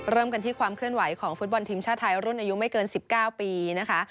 เริ่มกันที่ความเคลื่อนไหวของฟุตบอลทีมชาติไทยรุ่นอายุไม่เกิน๑๙ปีนะคะ